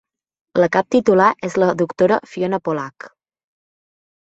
La cap titular és la doctora Fiona Polack.